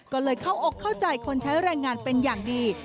ก็เลยเข้าอกเข้าใจคนใช้แรงงานเป็นอย่างดี